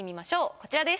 こちらです。